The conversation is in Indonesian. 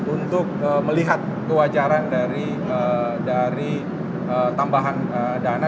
untuk melihat kewajaran dari tambahan dana